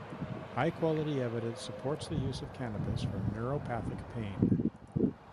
High-quality evidence supports the use of cannabis for neuropathic pain.